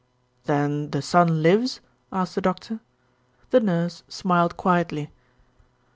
"Then the son lives?" asked the Doctor. The Nurse smiled quietly.